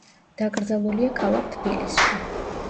დაკრძალულია ქალაქ თბილისში.